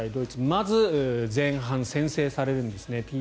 まず前半、先制されるんですね。